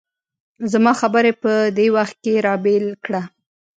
زما خبره یې په دې وخت کې را بېل کړه.